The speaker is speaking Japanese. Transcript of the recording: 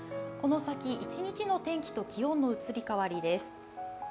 この先、１日の天気と気温の移り変わりです。